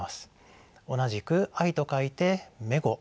同じく「愛」と書いて「めご」。